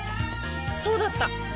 そうだった！